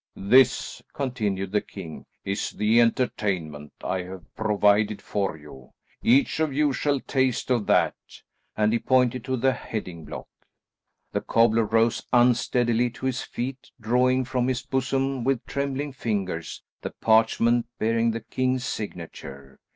"This," continued the king, "is the entertainment I have provided for you. Each of you shall taste of that," and he pointed to the heading block. The cobbler rose unsteadily to his feet, drawing from his bosom with trembling fingers the parchment bearing the king's signature.